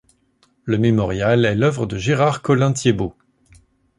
Le mémorial est l'œuvre de Gérard Collin-Thiébaut.